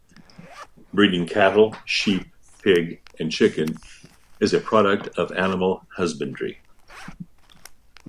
Breeding cattle, sheep, pig, and chicken is a product of animal husbandry.